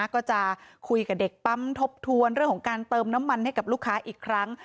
ก็จะคุยกับเด็กปั๊มทบทวนเรื่องของการเติมน้ำมันให้กับลูกค้าอีกครั้ง